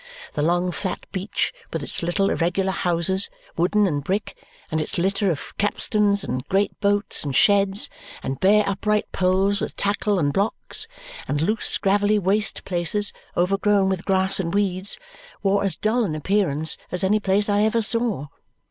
The long flat beach, with its little irregular houses, wooden and brick, and its litter of capstans, and great boats, and sheds, and bare upright poles with tackle and blocks, and loose gravelly waste places overgrown with grass and weeds, wore as dull an appearance as any place I ever saw.